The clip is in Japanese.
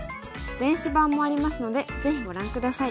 電子版もありますのでぜひご覧下さい。